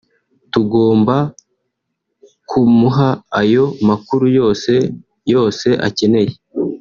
tugomba kumuha ayo makuru yose yose akenewe